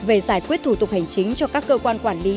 về giải quyết thủ tục hành chính cho các cơ quan quản lý